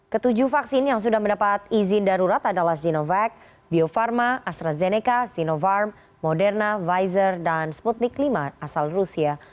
ketujuh vaksin yang sudah mendapat izin darurat adalah sinovac bio farma astrazeneca sinopharm moderna pfizer dan sputnik v asal rusia